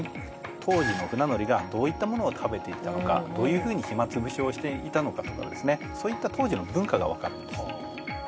当時の船乗りがどういったものを食べていたのかどういうふうに暇つぶしをしていたのかとかですねそういった当時の文化が分かるんですじゃ